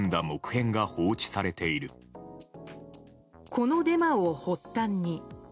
このデマを発端に。